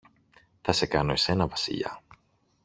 Θα σε κάνω εσένα Βασιλιά!